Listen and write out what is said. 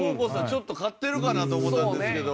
ちょっと勝ってるかなと思ったんですけど。